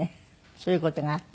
そういう事があってね。